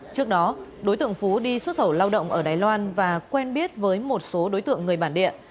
trước đó đối tượng phú đi xuất khẩu lao động ở đài loan và quen biết với một số đối tượng người bản địa